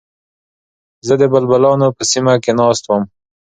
زه د بلبلانو په سیمه کې ناست وم.